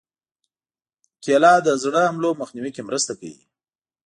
کېله د زړه حملو مخنیوي کې مرسته کوي.